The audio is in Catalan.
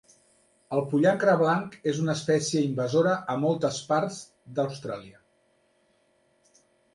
El pollancre blanc és una espècie invasora a moltes parts d'Austràlia.